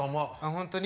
本当に？